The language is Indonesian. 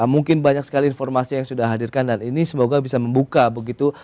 mungkin banyak sekali informasi yang sudah hadirkan dan ini semoga bisa membuka begitu